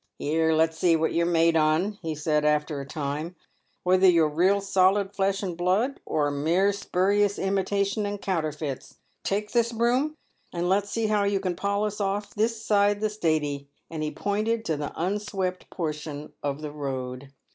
" Here, let's see what you're made on," he said, after a time —" whether you're real solid flesh and blood, or mere spurious imita shun and counterfeits. Take this broom, and let's see how you can polish off this side the stattey ;" and he pointed to the unswept por tion of the road.